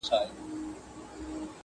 تا خو د کونړ د یکه زار کیسې لیکلي دي!